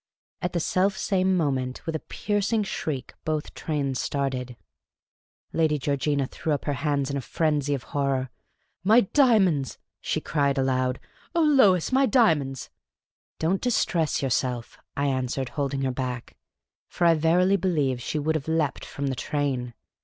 At the selfsame moment, with a piercing shriek, both trains started. Lady Georgina threw up her hands in a frenzy of horror. " My diamonds !" she cried aloud. " Oh, Lois, my dia monds !"" Don't distress yourself," I answered, holding her back, or I verily believe she would have leapt from the train.